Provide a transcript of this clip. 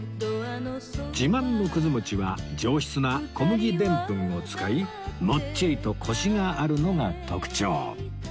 自慢の久寿餅は上質な小麦でんぷんを使いモッチリとコシがあるのが特徴